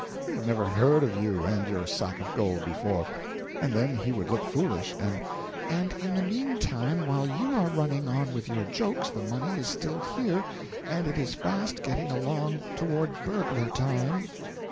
We have never heard of you and your sack of gold before;' and then he would look foolish, and " "And in the meantime, while you are running on with your jokes, the money is still here, and it is fast getting along toward burglar time."